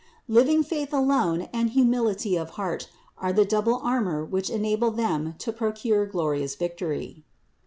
Living faith alone and humility of heart are the double armor which enable them to procure glorious victory.